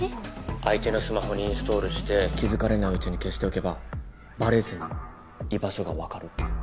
相手のスマホにインストールして気付かれないうちに消しておけばバレずに居場所がわかるっていう。